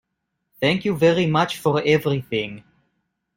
Thank you very much for everything.